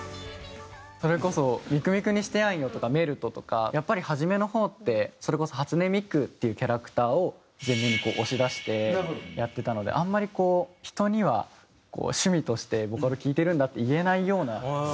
それこそ『みくみくにしてやんよ』とか『メルト』とかやっぱり初めの方ってそれこそ初音ミクっていうキャラクターを前面に押し出してやってたのであんまりこう人には趣味として「ボカロ聴いてるんだ」って言えないような。